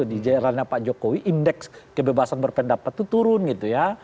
di jalannya pak jokowi indeks kebebasan berpendapat itu turun gitu ya